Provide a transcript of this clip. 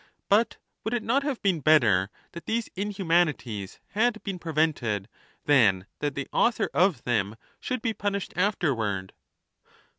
But would it not have been better that these inhu manities had been prevented than that the author of them should be punished afterward